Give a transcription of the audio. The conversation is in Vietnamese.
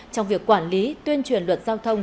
trong việc quản lý tuyên truyền luật giao thông